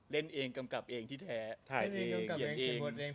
เล่นเองกำกับเองที่แท้ถ่ายเองเขียนเอง